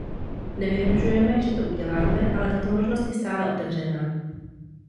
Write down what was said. Nevyhrožujeme, že to uděláme, ale tato možnost je stále otevřená.